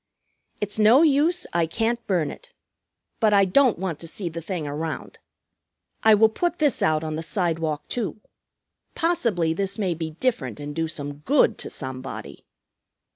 "It's no use, I can't burn it. But I don't want to see the thing around. I will put this out on the sidewalk, too. Possibly this may be different and do some good to somebody."